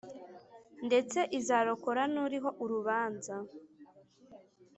Ndetse izarokora n uriho urubanza